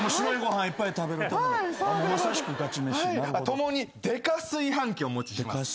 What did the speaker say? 共にでか炊飯器お持ちします。